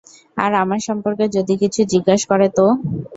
আর আমার সম্পর্কে যদি কিছু জিজ্ঞেস করে তো?